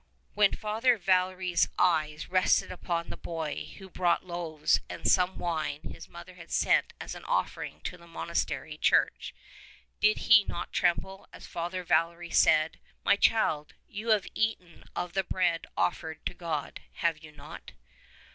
When Father Valery's eyes rested upon the boy who brought loaves and some wine his mother had sent as an offering to the monastery church, did he not tremble as Father Valery said, "My child, you have eaten of the bread offered to God, have you not?